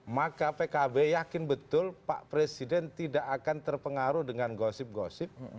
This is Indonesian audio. maka pkb yakin betul pak presiden tidak akan terpengaruh dengan gosip gosip